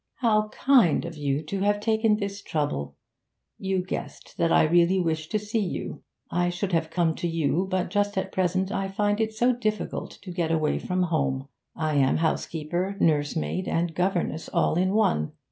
'How kind of you to have taken this trouble! You guessed that I really wished to see you. I should have come to you, but just at present I find it so difficult to get away from home. I am housekeeper, nursemaid, and governess all in one!